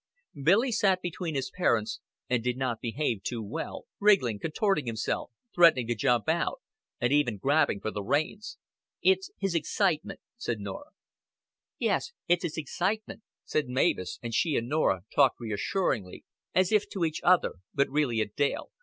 Billy sat between his parents, and did not behave too well, wriggling, contorting himself, threatening to jump out, and even grabbing for the reins. "It's his excitement," said Norah. "Yes, it's his excitement," said Mavis; and she and Norah talked reassuringly, as if to each other, but really at Dale.